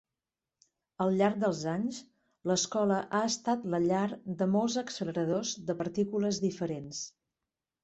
Al llarg dels anys, l'escola ha estat la llar de molts acceleradors de partícules diferents.